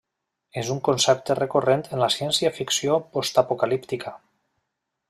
És un concepte recorrent en la ciència-ficció postapocalíptica.